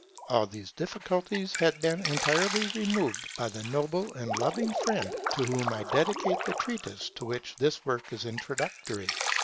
All these difficulties had been entirely removed by the noble and loving friend to whom I dedicate the treatise to which this work is introductory.